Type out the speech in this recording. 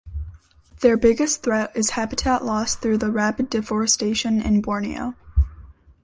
Their biggest threat is habitat loss through the rapid deforestation in Borneo.